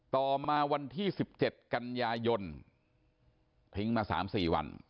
ต่อมาวันที่๑๗กันยายนทิ้งมา๓๔วัน